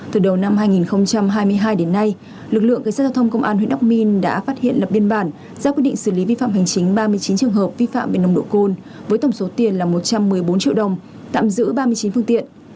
từ đầu năm hai nghìn hai mươi hai đến nay lực lượng cảnh sát giao thông công an huyện đắc minh đã phát hiện lập biên bản ra quyết định xử lý vi phạm hành chính ba mươi chín trường hợp vi phạm về nồng độ cồn với tổng số tiền là một trăm một mươi bốn triệu đồng tạm giữ ba mươi chín phương tiện